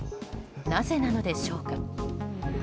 なぜなのでしょうか？